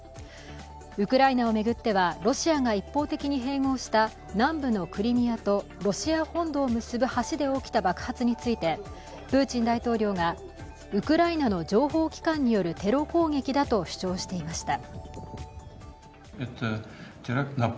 ウクライナをめぐっては、ロシアが一方的に併合した南部のクリミアとロシア本土を結ぶ橋で起きた爆発について、プーチン大統領がウクライナの情報機関によるテロ攻撃だと主張していました。